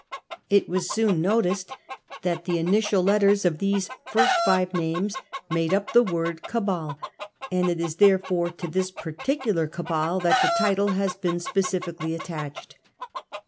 It was soon noticed that the initial letters of these first five names made up the word 'cabal,' and it is therefore to this particular Cabal that the title has been specially attached.